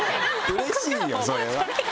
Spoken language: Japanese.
うれしいよそれは。